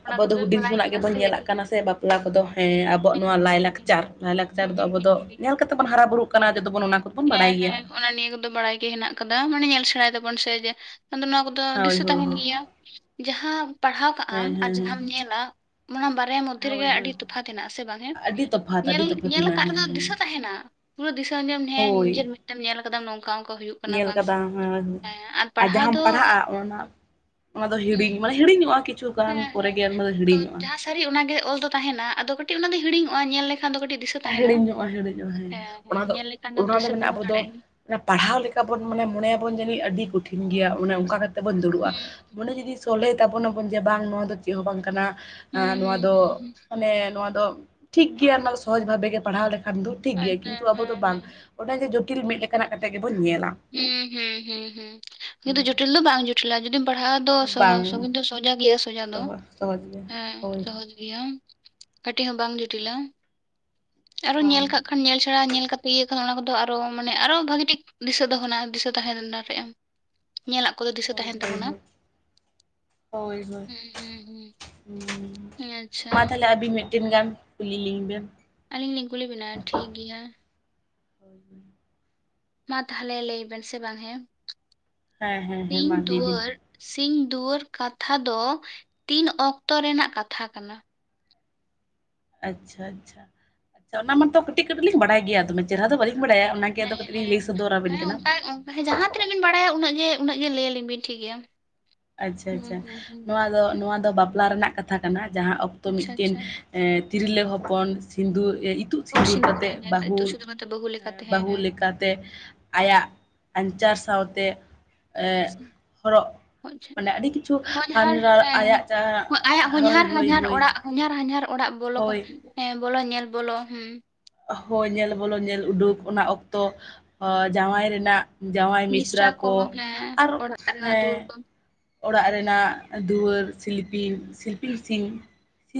ᱟᱵᱚ ᱫᱚ ᱦᱩᱰᱤᱧ ᱠᱷᱚᱱᱟᱜ ᱜᱮᱵᱚᱱ ᱦᱮᱸ ᱧᱮᱞᱟᱜ ᱠᱟᱱᱟ ᱥᱮ ᱵᱟᱯᱞᱟ ᱠᱚᱫᱚ ᱦᱮᱸ ᱟᱵᱚᱣᱟᱜ ᱱᱚᱣᱟ ᱞᱟᱭᱼᱞᱟᱠᱪᱟᱨ ᱞᱟᱭᱼᱞᱟᱠᱪᱟᱨ ᱫᱚ ᱦᱮᱸ ᱟᱵᱚ ᱫᱚ ᱧᱮᱞ ᱠᱟᱛᱮ ᱵᱚᱱ ᱦᱟᱨᱟ ᱵᱩᱨᱩᱜ ᱠᱟᱱᱟ ᱡᱚᱫᱚ ᱵᱚᱱ ᱚᱱᱟ ᱠᱚᱫᱚᱵᱚᱱ ᱦᱮᱸ ᱵᱟᱲᱟᱭ ᱜᱮᱭᱟ ᱦᱮᱸ ᱚᱱᱟ ᱱᱤᱭᱟᱹ ᱠᱚᱫᱚ ᱵᱟᱲᱟᱭ ᱜᱮ ᱦᱮᱱᱟᱜ ᱠᱟᱫᱟ ᱢᱟᱱᱮ ᱧᱮᱞ ᱥᱮᱬᱟᱭ ᱫᱟᱵᱚᱱ ᱥᱮ ᱡᱮ ᱟᱫᱚ ᱱᱚᱣᱟ ᱠᱚ ᱫᱚ ᱦᱳᱭ ᱫᱤᱥᱟᱹ ᱦᱳᱭ ᱛᱟᱦᱮᱱ ᱦᱳᱭ ᱜᱤᱭᱟ ᱡᱟᱦᱟᱸ ᱯᱟᱲᱦᱟᱣ ᱠᱟᱜ ᱟᱢ ᱦᱮᱸ ᱟᱨ ᱦᱮᱸ ᱡᱟᱦᱟᱸᱢ ᱧᱮᱞᱟ ᱚᱱᱟ ᱵᱟᱨᱭᱟ ᱢᱚᱫᱽᱫᱷᱮ ᱦᱮᱸ ᱦᱳᱭ ᱨᱮᱜᱮ ᱦᱳᱭ ᱟᱹᱰᱤ ᱛᱚᱯᱷᱟᱛ ᱦᱮᱱᱟᱜᱼᱟ ᱥᱮ ᱵᱟᱝ ᱦᱮᱸ? ᱟᱹᱰᱤ ᱛᱚᱯᱷᱟᱛ ᱧᱮᱞ ᱟᱹᱰᱤ ᱛᱚᱯᱷᱟᱛ ᱧᱮᱞ ᱢᱮᱱᱟᱜᱼᱟ ᱠᱟᱫ ᱦᱮᱸ ᱨᱮᱫᱚ ᱦᱮᱸ ᱫᱤᱥᱟᱹ ᱛᱟᱦᱮᱱᱟ ᱯᱩᱨᱟᱹ ᱫᱤᱥᱟᱹ ᱧᱟᱢ ᱦᱮᱸ ᱦᱳᱭ ᱱᱤᱡᱮᱨ ᱢᱮᱫᱛᱮᱢ ᱧᱮᱞ ᱟᱠᱟᱫᱟᱢ ᱱᱚᱝᱠᱟ ᱚᱝ ᱧᱮᱞ ᱠᱟᱫᱟᱢ ᱦᱮᱸ ᱟ ᱯᱟᱲᱦᱟᱣ ᱫᱚ ᱡᱟᱦᱟᱸᱟᱢ ᱯᱟᱲᱦᱟᱜᱼᱟ ᱚᱱᱟ, ᱚᱱᱟ ᱫᱚ ᱦᱮᱸ ᱦᱤᱲᱤᱧ ᱢᱟᱱᱮ ᱦᱤᱲᱤᱧᱚᱜᱼᱟ ᱠᱤᱪᱷᱩ ᱜᱟᱱ ᱦᱮᱸ ᱯᱚᱨᱮ ᱦᱮᱸ ᱜᱮ ᱢᱟᱱᱮ ᱟᱫᱚ ᱦᱤᱲᱤᱧᱚᱜᱼᱟ ᱾ ᱡᱟᱦᱟᱸ ᱥᱟᱹᱨᱤ ᱚᱱᱟᱜᱮ ᱚᱞ ᱫᱚ ᱛᱟᱦᱮᱱᱟ ᱟᱫᱚ ᱠᱟᱹᱴᱤᱡ ᱚᱱᱟ ᱫᱚ ᱦᱤᱲᱤᱧᱚᱜᱼᱟ ᱧᱮᱞ ᱞᱮᱠᱷᱟᱱ ᱫᱚ ᱠᱟᱹᱴᱤᱡ ᱫᱤᱥᱟᱹ ᱛᱟᱦᱮᱱᱟ ᱦᱤᱲᱤᱧᱚᱜᱼᱟ ᱦᱤᱲᱤᱧᱚᱜᱼᱟ ᱦᱮᱸ ᱚᱱᱟ ᱫᱚ ᱧᱮᱞ ᱞᱮᱠᱷᱟᱱ ᱫᱚᱢ ᱚᱱᱟ ᱫᱚ ᱫᱤᱥᱟᱹ ᱢᱮᱱᱟᱜᱼᱟ ᱫᱚᱦᱚ ᱟᱵᱚ ᱫᱚ ᱫᱟᱲᱮᱭᱟᱜᱼᱟ ᱯᱟᱲᱦᱟᱣ ᱞᱮᱠᱟ ᱵᱚᱱ ᱢᱟᱱᱮ ᱢᱚᱱᱮ ᱟᱵᱚᱱ ᱡᱟᱹᱱᱤᱡ ᱟᱹᱰᱤ ᱠᱚᱴᱷᱤᱱ ᱜᱮᱭᱟ ᱚᱱᱮ ᱚᱱᱠᱟ ᱛᱮᱵᱚᱱ ᱫᱩᱲᱩᱵᱼᱟ ᱦᱩᱸ ᱢᱚᱱᱮ ᱡᱩᱫᱤ ᱥᱚᱞᱦᱮ ᱛᱟᱵᱚᱱᱟᱵᱚᱱ ᱡᱮ ᱵᱟᱝ ᱱᱚᱣᱟ ᱫᱚ ᱪᱮᱫ ᱦᱚᱸ ᱵᱟᱝ ᱠᱟᱱᱟ ᱦᱩᱸ ᱱᱚᱣᱟ ᱦᱩᱸ ᱫᱚ ᱦᱩᱸ ᱦᱩᱸ ᱢᱟᱱᱮ ᱱᱚᱣᱟ ᱫᱚ ᱴᱷᱤᱠ ᱜᱮᱭᱟ ᱱᱚᱣᱟ ᱥᱚᱦᱚᱡ ᱵᱷᱟᱵᱮ ᱜᱮ ᱯᱟᱲᱦᱟᱣ ᱞᱮᱠᱷᱟᱱ ᱫᱚ ᱴᱷᱤᱠ ᱜᱮᱭᱟ ᱟᱫᱚ ᱠᱤᱱᱛᱩ ᱦᱮᱸ ᱟᱵᱚ ᱫᱚ ᱵᱟᱝ ᱦᱮᱸ ᱚᱰᱟᱜᱮ ᱡᱚᱴᱤᱞ ᱢᱤᱫ ᱞᱮᱠᱟᱱᱟᱜ ᱠᱟᱛᱮ ᱜᱮᱵᱚᱱ ᱧᱮᱞᱟ ᱦᱩᱸ ᱦᱩᱸ ᱦᱩᱸ ᱦᱩᱸ ᱠᱤᱱᱛᱩ ᱡᱚᱴᱤᱞ ᱫᱚ ᱵᱟᱝ ᱡᱚᱴᱞᱟ ᱡᱩᱫᱤᱢ ᱯᱟᱲᱦᱟᱜᱼᱟ ᱫᱚ ᱥᱚᱦᱚ ᱵᱟᱝ ᱥᱚᱦᱚᱡ ᱫᱚ ᱥᱚᱡᱟ ᱜᱮᱭᱟ ᱥᱳᱚᱡᱟ ᱫᱚ ᱥᱚᱦᱚᱡ ᱥᱚᱦᱚᱡ ᱜᱮ ᱦᱮᱸ ᱦᱳᱭ ᱥᱚᱦᱚᱡ ᱜᱮ ᱜᱮᱭᱟ ᱠᱟᱹᱴᱤᱡ ᱦᱚᱸ ᱵᱟᱝ ᱡᱚᱴᱤᱞᱟ ᱟᱨᱚ ᱵᱟᱝ ᱧᱮᱞ ᱠᱟᱜ ᱠᱷᱟᱱ ᱧᱮᱞ ᱪᱷᱟᱲᱟ ᱧᱮᱞ ᱠᱟᱛᱮ ᱤᱭᱟᱹ ᱠᱷᱟᱱ ᱚᱱᱟ ᱠᱚᱫᱚ ᱟᱨᱚ ᱢᱟᱱᱮ ᱟᱨᱚ ᱵᱷᱟᱹᱜᱤ ᱴᱷᱤᱠ ᱫᱤᱥᱟᱹ ᱫᱚᱦᱚᱱᱟ ᱫᱤᱥᱟᱹ ᱛᱟᱦᱮ ᱫᱟᱲᱮᱭᱟᱜᱼᱟ ᱧᱮᱞᱟᱜ ᱠᱚᱫᱚ ᱫᱤᱥᱟᱹ ᱦᱳᱭ ᱛᱟᱦᱮᱸᱱ ᱦᱳᱭ ᱛᱟᱵᱚᱱᱟ ᱦᱩᱸ ᱦᱩᱸ ᱦᱩᱸ ᱦᱩᱸ ᱦᱮᱸ, ᱟᱪᱪᱷᱟ ᱢᱟ ᱛᱟᱦᱞᱮ ᱟᱹᱵᱤᱱ ᱢᱤᱫᱴᱮᱱ ᱜᱟᱱ ᱠᱩᱞᱤ ᱞᱤᱝ ᱵᱮᱱ ᱟᱹᱞᱤᱧ ᱞᱤᱧ ᱠᱩᱞᱤ ᱵᱤᱱᱟ ᱴᱷᱤᱠ ᱜᱮᱭᱟ [unintelligible] ᱢᱟ ᱛᱟᱦᱚᱞᱮ ᱞᱟᱹᱭ ᱵᱮᱱ ᱥᱮ ᱵᱟᱝ ᱦᱮᱸ ᱦᱮᱸ ᱦᱮᱸ ᱦᱮᱸ ᱥᱤᱧ ᱢᱟ ᱞᱟᱹᱭ ᱵᱤᱱ ᱫᱩᱣᱟᱹᱨ ᱥᱤᱧ ᱫᱩᱣᱟᱹᱨ ᱠᱟᱛᱷᱟ ᱫᱚ ᱛᱤᱱ ᱚᱠᱛᱚ ᱨᱮᱱᱟᱜ ᱠᱟᱛᱷᱟ ᱠᱟᱱᱟ? ᱟᱪᱪᱷᱟ ᱟᱪᱪᱷᱟ ᱟᱪᱪᱷᱟ ᱚᱱᱟ ᱢᱟᱛᱚ ᱠᱟᱹᱴᱤᱡ ᱠᱟᱹᱴᱤᱡ ᱞᱤᱧ ᱵᱟᱲᱟᱭ ᱜᱮᱭᱟ ᱫᱚᱢᱮ ᱪᱮᱦᱨᱟ ᱫᱚ ᱵᱟᱹᱞᱤᱧ ᱵᱟᱲᱟᱭᱟ ᱚᱱᱟᱜᱮ ᱟᱫᱚ ᱦᱮᱸ ᱠᱟᱹᱴᱤᱡ ᱦᱮᱸ ᱞᱤᱧ ᱞᱟᱹᱭ ᱥᱚᱫᱚᱨ ᱟᱵᱤᱱ ᱠᱟᱱᱟ ᱱᱟ. ᱜ ᱵᱤᱱ ᱵᱟᱲᱟᱭᱟ ᱩᱱᱟᱜ ᱜᱮ ᱩᱱᱟᱹᱜ ᱜᱮ ᱞᱟᱹᱭ ᱟᱞᱤᱧ ᱵᱤᱱ ᱴᱷᱤᱠ ᱜᱮᱭᱟ ᱟᱪᱪᱷᱟ ᱦᱩᱸ ᱟᱪᱪᱷᱟ ᱦᱩᱸ ᱦᱩᱸ ᱱᱚᱣᱟ ᱫᱚ ᱱᱚᱣᱟ ᱫᱚ ᱵᱟᱯᱞᱟ ᱨᱮᱱᱟᱜ ᱠᱟᱛᱷᱟ ᱠᱟᱱᱟ ᱡᱟᱦᱟᱸ ᱚᱠᱛᱚ ᱟᱪᱪᱷᱟ ᱢᱤᱫᱴᱮᱱ ᱟᱪᱪᱷᱟ ᱮᱸ ᱛᱤᱨᱞᱟᱹ ᱦᱚᱯᱚᱱ ᱥᱤᱸᱫᱩᱨ ᱮ ᱤᱛᱩᱜ ᱛᱩᱫ ᱥᱤᱸᱫᱩᱨ ᱠᱟᱛᱮᱜ ᱦᱮᱸ ᱛᱩᱫ ᱵᱟᱹᱦᱩᱸ ᱥᱤᱸᱫᱩᱨ ᱠᱟᱛᱮ ᱵᱟᱹᱦᱩ ᱞᱮᱠᱟᱛᱮ ᱦᱮᱸ ᱵᱟᱹᱦᱩ ᱦᱮᱸ ᱞᱮᱠᱟᱛᱮ ᱟᱭᱟᱜ ᱟᱧᱪᱟᱨ ᱥᱟᱶᱛᱮ ᱮᱸᱜ ᱦᱚᱨᱚᱜ ᱚᱪᱪᱷᱟ ᱢᱟᱱᱮ ᱟᱹᱰᱤ ᱠᱤᱪᱷᱩ ᱦᱚᱧᱦᱟᱨ ᱦᱟᱱᱨᱟᱨ ᱦᱮᱸ ᱟᱭᱟᱜ ᱡᱟᱦᱟᱸ ᱟᱭᱟᱜ ᱦᱳᱭ ᱦᱚᱧᱦᱟᱨ ᱦᱳᱭ ᱦᱟᱧᱦᱟᱨ ᱦᱳᱭ ᱚᱲᱟᱜ ᱦᱚᱧᱦᱟᱨ ᱦᱟᱧᱦᱟᱨ ᱚᱲᱟᱜ ᱵᱚᱞᱚᱠ ᱦᱳᱭ ᱦᱮᱸ ᱵᱚᱞᱚ ᱧᱮᱞ ᱵᱚᱞᱚ ᱦᱩᱸ ᱦᱚᱭ ᱧᱮᱞ ᱵᱚᱞᱚ ᱧᱮᱞ ᱩᱰᱩᱠ ᱚᱱᱟ ᱚᱠᱛᱚ ᱡᱟᱶᱟᱭ ᱨᱮᱱᱟᱜ ᱡᱟᱶᱟᱭ ᱢᱤᱥᱨᱟ ᱠᱚ ᱦᱮᱸ ᱟᱨ ᱚᱲᱟᱜ ᱨᱮᱱᱟᱜ ᱦᱮᱸ ᱫᱩᱣᱟᱹᱨ ᱠᱚ ᱚᱲᱟᱜ ᱨᱮᱱᱟᱜ ᱫᱩᱣᱟᱹᱨ ᱥᱤᱞᱯᱤᱧ ᱥᱤᱞᱯᱤᱧ ᱥᱤ